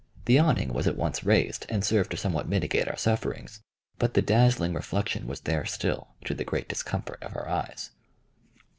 The awning was at once raised, and served to somewhat mitigate our sufferings, but the dazzling reflection was there still, to the great discomfort of our eyes.